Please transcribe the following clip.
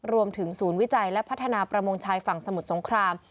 ศูนย์วิจัยและพัฒนาประมงชายฝั่งสมุทรสงคราม